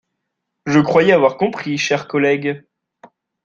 Je croyais avoir compris, chers collègues